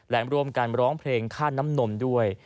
และร่วมกันร้องเพลงค่าน้ำนมด้วย